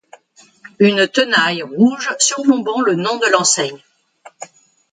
Une tenaille rouge surplombant le nom de l'enseigne.